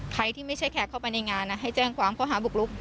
ใครที่ไม่ใช่แขกเข้าไปในงานให้แจ้งความเขาหาบุกลุก